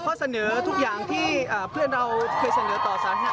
ข้อเสนอทุกอย่างที่เพื่อนเราเคยเสนอต่อสาธารณะ